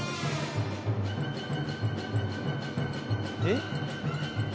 えっ？